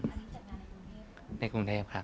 อันนี้จัดตากลุงเทพหรือเปล่า